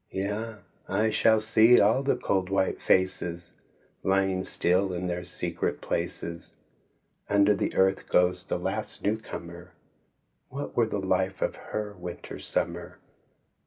Yea! I shall see all the cold white faces Lying so still in their secret places. Under the earth goes the last new comer, What were the life of her, winter smnmer